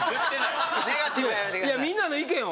いやみんなの意見を。